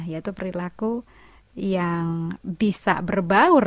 yaitu perilaku yang bisa berbaur